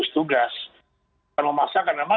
tugas memaksakan memang